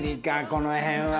この辺は。